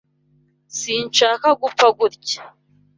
Sinshaka gupfa gutya.